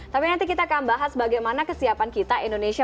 tapi nanti kita akan bahas bagaimana kesiapan kita indonesia